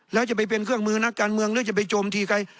แล้วจะไปเป็นเครื่องมือนักการเมืองหรือจะไปโจมตีใคร